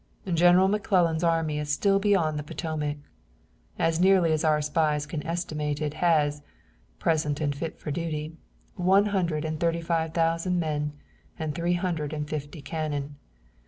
General McClellan's army is still beyond the Potomac. As nearly as our spies can estimate it has, present and fit for duty, one hundred and thirty five thousand men and three hundred and fifty cannon.